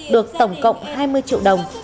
được tổng cộng hai mươi triệu đồng